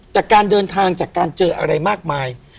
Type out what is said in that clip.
แต่การเดินทางจากการเจออะไรมากมาย